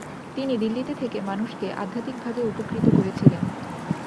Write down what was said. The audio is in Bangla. তিনি দিল্লিতে থেকে মানুষকে আধ্যাত্মিকভাবে উপকৃত করেছিলেন।